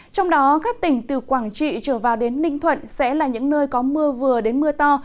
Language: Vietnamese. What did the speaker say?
trong đó các tỉnh từ quảng trị trở vào đến ninh thuận sẽ là những nơi có mưa vừa đến mưa to